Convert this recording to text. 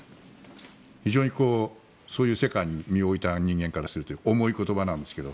非常にそういう世界に身を置いた人間からすると重い言葉なんですけど。